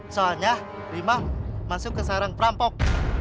soalnya rima masuk ke sarang perampok